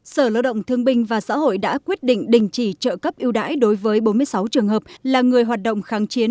sở lao động thương binh và xã hội đã quyết định đình chỉ trợ cấp yêu đãi đối với bốn mươi sáu trường hợp là người hoạt động kháng chiến